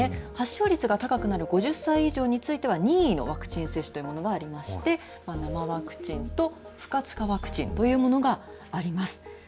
発症率が高くなる５０歳以上については、任意のワクチン接種というものがありまして、生ワクチンと不活化ワクチンというものがあります。